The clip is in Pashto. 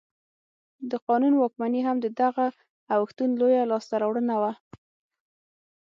د قانون واکمني هم د دغه اوښتون لویه لاسته راوړنه وه.